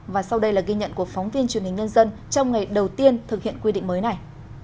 và sau đây là ghi nhận của phóng viên truyền hình nhân dân trong ngày đầu tiên thực hiện quy định mới này